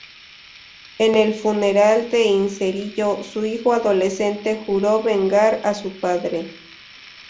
En el funeral de Inzerillo, su hijo adolescente juró vengar a su padre.